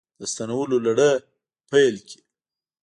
د ستنولو لړۍ پیل کړې